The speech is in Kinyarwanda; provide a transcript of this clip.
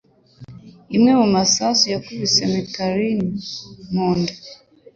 Imwe mu masasu yakubise McKinley mu nda.